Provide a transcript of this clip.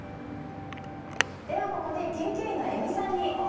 ではここで研究員の恵美さんにお聞きしましょう。